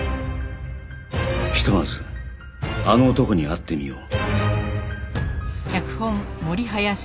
ひとまずあの男に会ってみよう